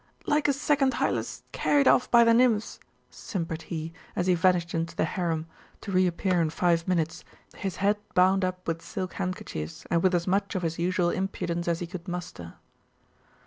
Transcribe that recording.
'Like a second Hylas, carried off by the nymphs!' simpered he, as he vanished into the harem, to reappear in five minutes, his head bound rip with silk handkerchiefs, and with as much of his usual impudence as he could muster.